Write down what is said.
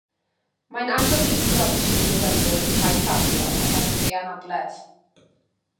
Mae'n anghyfreithlon trin myfyriwr yn llai ffafriol oherwydd ei anabledd